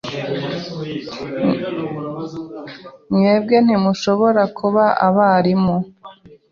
Mwebwe ntimushobora kuba abarimu